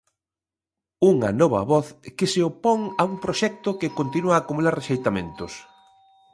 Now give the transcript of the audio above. Unha nova voz que se opón a un proxecto que continúa a acumular rexeitamentos.